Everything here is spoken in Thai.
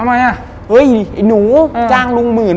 เฮ้ยไอ้หนูจ้างลุงหมื่นนึง